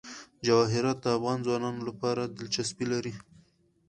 جواهرات د افغان ځوانانو لپاره دلچسپي لري.